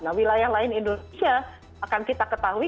nah wilayah lain indonesia akan kita ketahui